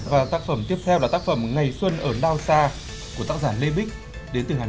và tác phẩm tiếp theo là tác phẩm ngày xuân ở nao sa của tác giả lê bích đến từ hà nội